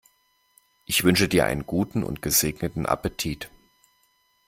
Ich wünsche dir einen guten und gesegneten Appetit!